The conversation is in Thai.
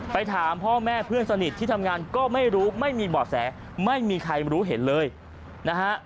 ถามพ่อแม่เพื่อนสนิทที่ทำงานก็ไม่รู้ไม่มีบ่อแสไม่มีใครรู้เห็นเลยนะฮะ